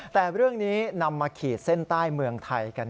แต่เรื่องนี้นำมาขีดเส้นใต้เมืองไทยกัน